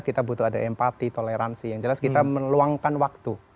kita butuh ada empati toleransi yang jelas kita meluangkan waktu